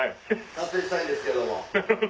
撮影したいんですけども。